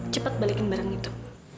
cepat balikin barang itu